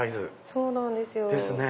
そうなんですよ。